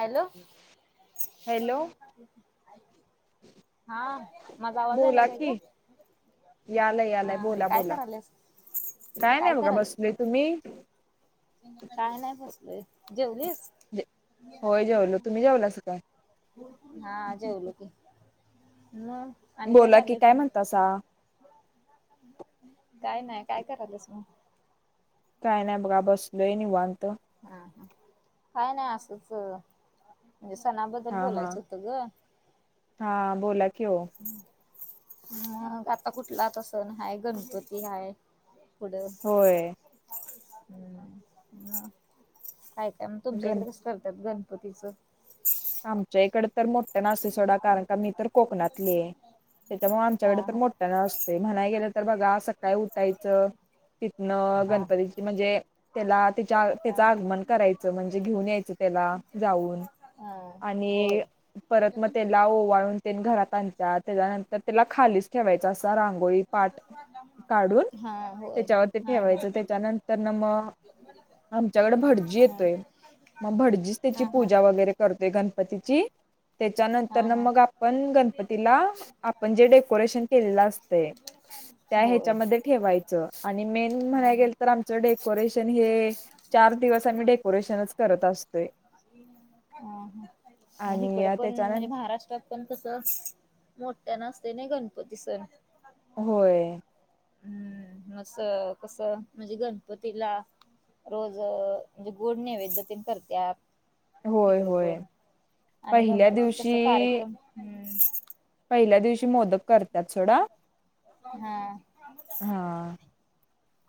Hello. च hello हा माझा आवाज आलाय बोला काय की ग. यालाय यालाय हा बोला काय बोला. करायलेस काय नाही बघा बसले तुम्ही काय नाही बसलय जेवलीस होय जेवलो तुम्ही जेवलासा काय हा जेवले की मग आणि बोला की चाललंय काय म्हणतासा काय नाही काय करालस म काय नाही बघा बसलोय निवांत हम ह काय नाही असंच म्हणजे सणाबद्दल हा हा बोलायचं होतं ग हा बोला की ओ मग आता कुठला त सण हाय गणपती हाय पुढं होय हम् ह काय त्यामुळे ग तुमच्या गण इकडे कसं करतात गणपतीचं आमच्या इकडे तर मोठ्या नाते सोडा कारण का मी तर कोकणातली आहे त्यांच्यामुळे हा आमच्याकडे तर मोठ्या न असते म्हणाय गेलं तर बघा संकाळी उठायचं तिथनं हा हा गणपतीची म्हणजे त्याला तच्या त्याच हा आगमन करायचं म्हणजे घेऊन यायचं त्याला जाऊन हा आणि होय परत मग त्याला ओवाळून ते घरात आणत त्याच्यानंतर त्याला खालीच ठेवायच अस रांगोळी पाठ काढून हा होय त्याच्यावरती हा हा ठेवायचं ह त्याच्यानंतर ना मग आमच्याकडे भटजी येतोय मग भटजीच त्याची हा हा पूजा वगैरे करतोय गणपतीची त्याच्यानंतर हा ना हा मग आपण गणपतीला आपण जे डेकोरेशन केलेल असतय त्या होय ह्याच्या मध्ये ह ठेवायचे आणि मेन म्हणायला ह गेले तर ह आमच्या कडे डेकोरेशन हे चार दिवस आम्ही डेकोरेशनच करत असतोय ह मग आणि इकड पण त्याच्यानं म्हणजे महाराष्ट्रात पण तस मोठ्या नसते नाही गणप पतीच होय हम्म मसं कस म्हणजे गणपतीला रोज म्हणजे गोड नैवेद्यते करत्या होय इकडे होय पण आणि पहिल्या गणपतीत कस दिवशी कार्यक्रम हम्म पहिल्या दिवशी मोदक करतात सोडा हा हा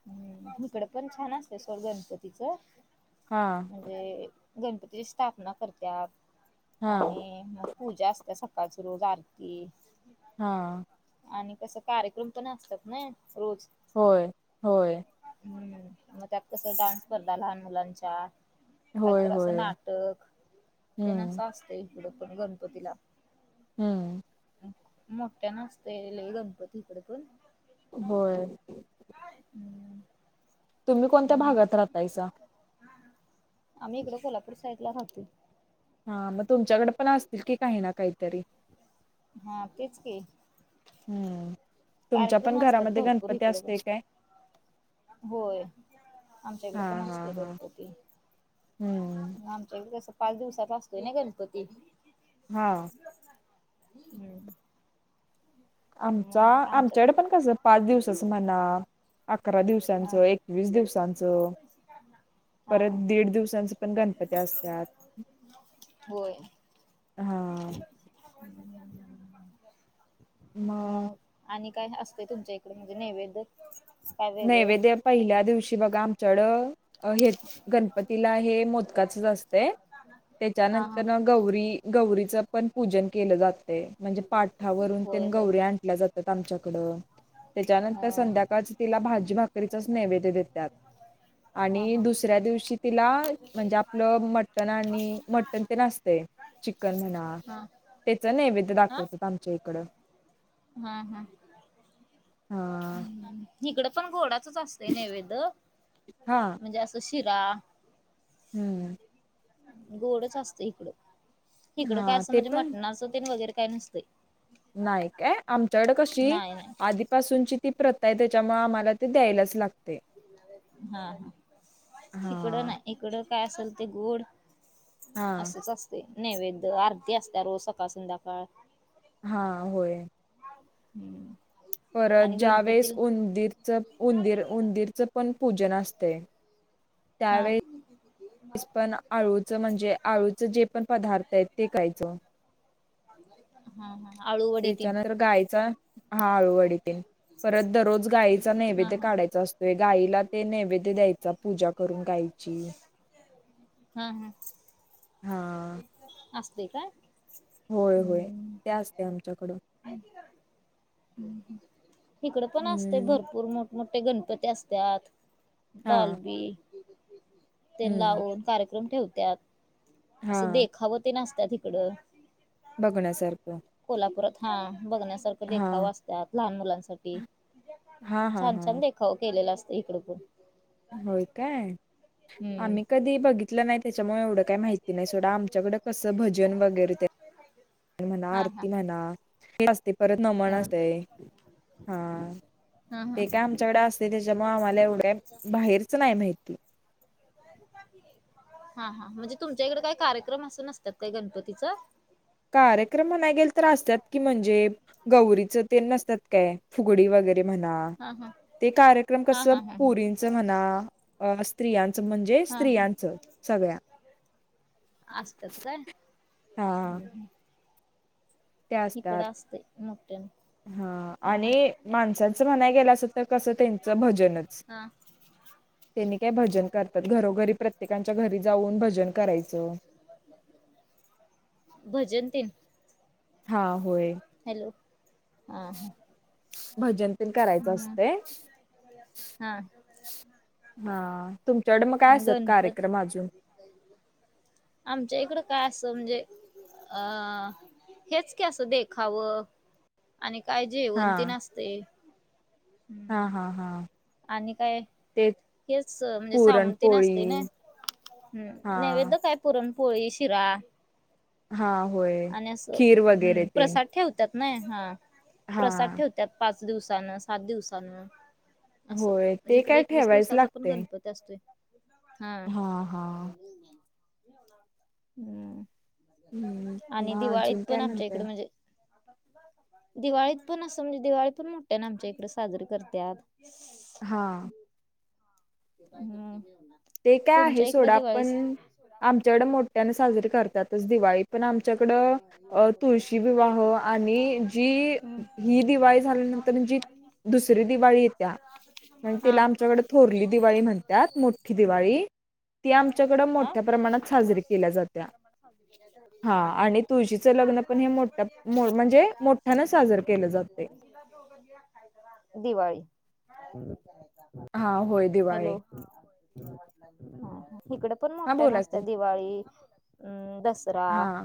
हम्म इकड पण छान असते सोड गणपतीच हा म्हणजे गणपतीची स्थापना करत्यात हा आणि म पूजा असतय का रोज आरती हा तस कार्यक्रम पण असतात ना रोज होय होय हम्म मग त्यात कस डान्स स्पर्धा लहान मुलांच्या काय होय तर असं होय नाटक तेन हम्म असं असतंय गणपतीला हम्म मोठ्यान असतय लई गणपती इकड पण होय तुम्ही कोणत्या मग भागात राहतायसा आम्ही इकडं कोल्हापूर साईड ला राहतोय हा मग तुमच्याकड पण असतील कि काही ना काहीतरी हा तेच की हम्म तुमच्या कार्यक्रम पण असतात घरामध्ये भरपूर गणपती इकडे पण असतोय काय? होय आमच्याकडे हा पण हा असतोय हा गणपती हम्म आमच्याकडे कस पाच दिवसाचा असतोय नाय गणपती हा हम्म. आमचा मग आमच्यात आमच्याकडे पण कसं पाच दिवसचा म्हणा- अकरा हा दिवसांचं एकवीस दिवसांचं हा परत हा दीड दिवसांचं पण गणप- ती असत्यात होय हा. मग. अ आणि काय असतय तुमच्या इकडे म्हणजे नैवेद? नैवेद्य पहिल्या दिवशी बघा आमच्याडं- हेत गणपतीला हे मोदकाचच असतय हा हा त्याच्यानंतरन गौरी- गौरीच पण पूजन केलं जात. म्हणजे पाठावरून होय तेन होय गौरी आणल्या जातात आमच्याकडं. त्याच्यानंतर हा संध्याकाळच तिला भाजी भाकरीचच नैवेद्य देत्यात. हा आणि हा दुसऱ्या दिवशी तिला म्हणजे आपलं मटण आणि मटण तेन असतय. चिकन म्हणा हा त्याच नैवेद्य हा दाखवत्यात आमच्या इकड. हम हा. इकड पण गोडाचच असतय नैवेद हा म्हणजे अस शि- शिरा. हम्म. गोडच असतय इकडं इकडं काय हा असं ते म्हणजे मटणाचं तेन वगैरे काय नसतय. नाई काय आमच्याकड कशी नाही नाही आधीपासूनची- ती प्रथा त्याच्यामुळ आम्हाला ते द्यायलाच लाग. हा हा इकडं हा नाय इकडं काय असेल ते गोड- हा असंच असतय नैवेद्य आरती असत्या रोज सकाळ संध्याकाळ. हा होय. [inaudible] परत आणि ज्या वेळेस गणपतीला उंदीरच उंदीर उंदीरच पण- पूजन असतय. हा. तेस पण आळूचं म्हणजे आळूचं जे पण पदार्थ हायत ते कायचं. हा हा. आळूवडी तीन त्याच्यावर गायचा हा अळूवडी तेन. परत दरोज गाईचा हा नैवेद्य हा काढायच असतो. करून गायची हा हम. ह. हा ते काय? होय होय ते असतय आमच्याकडं. इकड पण असतय हम्म भरपूर मोठ मोठे गणपती असत्यात हा डाॅल्बी- तेन हम्म लावून कार्यक्रम ठेवत्यात, असं हां देखावं ते नसत्यात इकडं - बघण्यासारखं - बघण्यासारख देखावा असत्यात, लहान मुलांसाठी, हां, हां, छान-छान हां. देखावं केलेला अस इकडं पण होय काय? हम्म आम्ही कधी बघितलं नायत त्याच्यामुळे एवढं काही माहिती नाही, सोडा आमच्याकडं कसं, भजन वगैरे ते म्हणा, हा हा आरती म्हणा ते परत नमन अ असतंय, हां. हा हा ते काय आमच्याकडे असतंय, त्याच्यामुळं आम्हाला एवढे, बाहेरचं नाय माहिती. [unintelligible] हां हां म्हणजे तुमच्या इकडे काही कार्यक्रम असं नसत्यात का गणपतीचं? कार्यक्रम म्हणायं गेल तर असत्यात, की म्हणजे गौरीचंच ते नसत्यात काय? फुगडी वगैरे ते म्हणा, हा हा ते कार्यक्रम हा कसं, हा हा हा पोरींच म्हणा, अं स्त्रियां त म्हणजे स्त्रियांच, सगळ्या. असत्यात काय? हां. [unintelligible] इकडं असतय मोठं. हां आणि माणसांचं म्हणाय गेलं असं तर कसं, त्यांचं भजनचं. हा तेनी ते भजन करतात, घरोघरी प्रत्येकांच्या घरी जाऊन भजन करायचं. भजन ते हां होय हा हा. भजन पण करायचं हम्म असतंय. हा हां तुमच्याकडं मग काय असतात, गणपती कार्यक्रम अजून? आमच्या इकडं काय असलं जे अं तेच की अस, देखावं आणि काय जेवंतीण आसते. हां हां हां आणि काय? हेचं अं म्हणजे, सावंतीण पुरणपोळी असते ना, हा हं नैवेद काय पुरण पोळी, शिरा हा होय आणि असं, खीर हम्म वगैरे ते प्रसाद ठेवत्यात. नाही हां, हा प्रसाद ठेवत्यात, पाच दिवसानं, सात दिवसानं असं, होय ते इकडे काय एकवीस ठेवायच दिवसाचा पण लागते गणपती असतोय. हां हा हा हम्म हम्म आणि मग दिवाळीत अजून काय पण आमच्या म्हणतय इकडं म्हणजे दिवाळीत पण, असं म्हणजे, दिवाळी पण मोठ्यानं आमच्या इकडं साजरीे करत्यात. हां हम्म. ते काय आहे तुमच्या इकडे सोडा, दिवाळीस पणं आमच्याकडे मोठ्यानं साजरीे करतातच दिवाळीत. पण आमच्याकडं, अं तुळशी विवाह आणि जी, ही दिवाळी झाली पण जी, दुसरी दिवाळी येत्या, पण हा तिला आमच्याकडं थोरली दिवाळी म्हणत्यात, मोठ ही दिवाळी, ती आमच्याकडं मोठ्या प्रमाणात साजरी केल्या जात्या. हा हां हां आणि तुळशीचं लग्न पण हे मोठ्या मो- म्हणजे मोठ्यानं साजर केलं जाते दिवाळी [unintelligible] हां होय, दिवाळी हं इकडे पण हा मोठ्यानं बोला असत्या की दिवाळी, दस दसरा, हा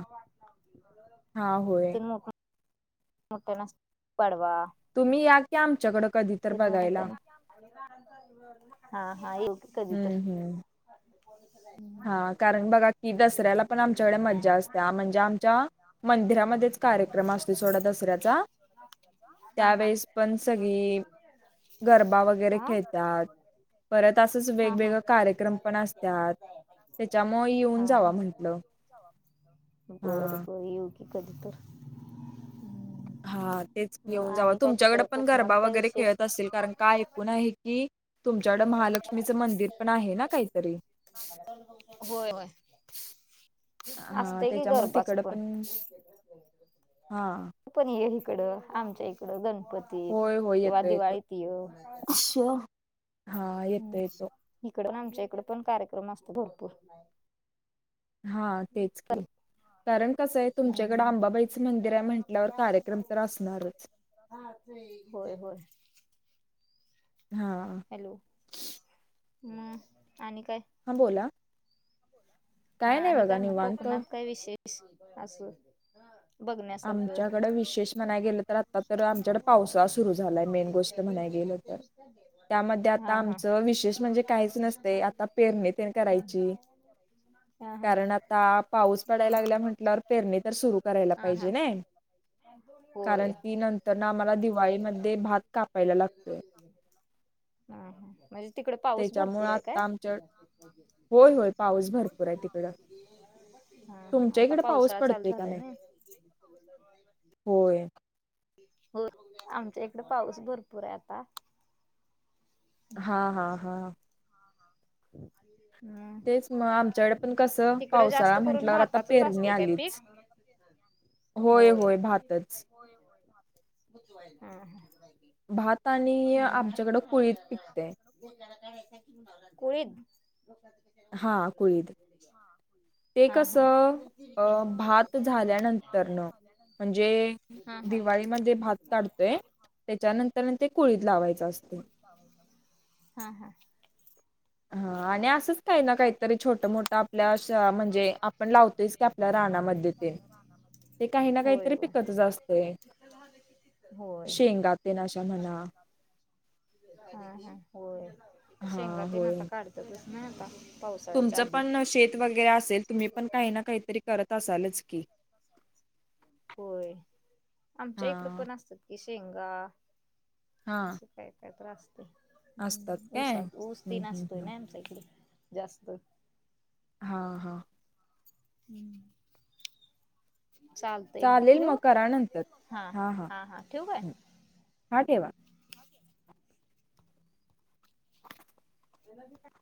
हा होय तीनमुख मग तेणस पाडवा तुम्ही या की आमच्याकडं कधी तर तिनमर बघायला मोटेन हा हा ये हम्म हम्म ह हा कारण बघा की दसऱ्याला पण आमच्याकडे मज्जा असते म्हणजे आमच्या मंदिरामध्येच कार्य कार्यक्रम असतो सोडा दुसर्‍याचा हा हा त्यावेळेस पण सगळी ऐ गरबा वगैरे आ हा खेळतात परत असच हा वेगवेगळे हा कार्यक्रम पण असतात त्याच्यामुळे येऊन जावा हा म्हंटलं हा हो हो हा तेच घेऊन जाव काय तुमच्याकडे तिकड पण कोकणात गरबा काय वगैरे विशेष खेळत असेल कारण काय ऐकून आहे की तुमच्याकड महालक्ष्मीचं मंदिर पण आहे ना काहीतरी रिकाम हा असतय की त्याच्यामुळे गरबाच तिकड पण हा पण हे इकड आमच्या इकड गणपतीत होय होय किंवा येतो येतो दिवाळीत येऊ अच्छा. हा येतो येतो हम्म इकड पण आमच्या इकड पण कार्यक्रम असतो भरपूर हा तेच की कारण कसं आहे तुमच्याकडे आंबाबाईचं मंदिर आहे म्हटल्यावर कार्यक्रम तर असणारच होय होय हा हम्म आणि काय हा बोला हा नाही आणि बघा काय मग निवांत कोकणात काय विशेष असू आमच्याकडे विशेष म्हणाय गेलं तर आता तर आमच्याकड पावसाळा सुरू झालाय मेन गोष्ट म्हणाय गे त्यामध्ये आता हा हा आमच विशेष म्हणजे काहीच नसत आता पेरणी ते करायची हा हा कारण आता पाऊस पडायला लागला म्हंटल्यावर पेरणी तर सुरु करायला हा हा पाहिजे ना होय कारण ती नंतर ना आम्हाला दिवाळीमध्ये भात कापायला लागतोय हा ह म्हणजे तिकडे पाऊस त्याच्यामुळे भरपूर आहे काय आता आमच्या होय होय पाऊस भरपूर आहे तिकडं हा हा तुमच्या आता इकडे पाऊस पावसाळा चालू पडतोय का झालाय नाही? ना होय हो आमच्या इकडे पाऊस भरपूर आहे आता हा हा हा रिकाम तेच मग आमच्याकडे पण कसं तिकडे पावसाळा जास्त करून म्हटल्यावर आता भाताचच पेरणी असते काय पीक आलीच होय होय भातच हम्म हम्म भात आणि आमच्याकडं कुळीत पिकते कुळीद हा कुळीद ते हा कस हा अ भात झाल्यानंतर न म्हणजे हा हा दिवाळीमध्ये भात काढतोय त्याच्यानंतर ते कुळीत लावायच असत हा हा हा आणि असंच काही ना काहीतरी छोट मोठं आपल्या म्हणजे आपण लावतोयच की आपल्या राणामध्ये ते होय काहीनाकाहीतरी होय पिकतच असतय होय शेंगाते नाशा म्हणा हा हा होय हा शेंगात ना होय आता काढतात ना आता पावसाळ्याच्या तुमचं आधी पण शेत वगैरे असेल तुम्ही पण काही ना काहीतरी करत असालच की होय आमच्या हा इकड पण असतात कि शेंगा हा असं काय काय त्रास असतात ् ऊस काय ऊस त हम्म हम्म नासतोय हम्म ना आमकडे जास्त ह हां हम्म चालेल मकरानंतर हा हा हा ठेवा तेव